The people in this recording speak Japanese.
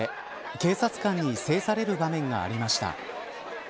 警察官に制される場面がありました。